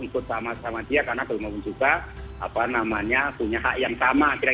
ikut sama sama dia